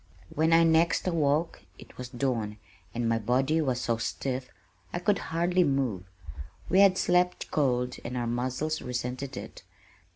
When I next awoke it was dawn, and my body was so stiff I could hardly move. We had slept cold and our muscles resented it.